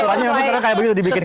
akhirnya kayak begitu dibikin